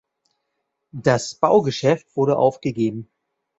Das Baugeschäft wurde aufgegeben.